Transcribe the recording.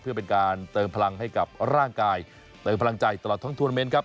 เพื่อเป็นการเติมพลังให้กับร่างกายเติมพลังใจตลอดทั้งทวนาเมนต์ครับ